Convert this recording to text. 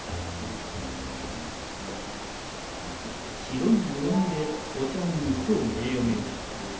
白い湯飲みでお茶を飲む趙名誉名人。